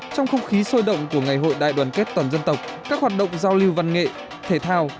trong không khí sôi động của ngày hội đại đoàn kết toàn dân tộc các hoạt động giao lưu văn nghệ thể thao